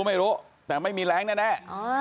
ไม่รู้แต่ไม่มีแรงแน่